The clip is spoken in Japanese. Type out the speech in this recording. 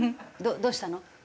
どうしたの？